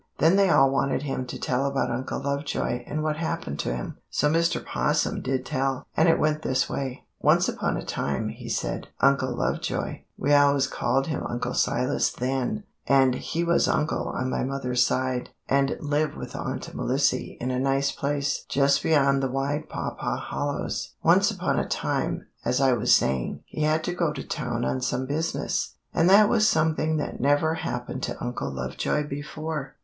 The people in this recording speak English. Then they all wanted him to tell about Uncle Lovejoy and what happened to him. So Mr. 'Possum did tell, and it went this way: "Once upon a time," he said, "Uncle Lovejoy we always called him Uncle Silas then, and he was uncle on my mother's side, and lived with Aunt Melissy in a nice place just beyond the Wide Pawpaw Hollows once upon a time, as I was saying, he had to go to town on some business, and that was something that never happened to Uncle Lovejoy before."